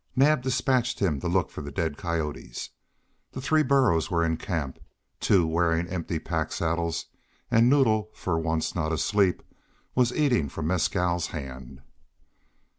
Naab dispatched him to look for the dead coyotes. The three burros were in camp, two wearing empty pack saddles, and Noddle, for once not asleep, was eating from Mescal's hand.